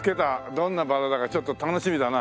どんなバラだかちょっと楽しみだな。